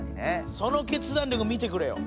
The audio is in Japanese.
その決断力を見てくれよ。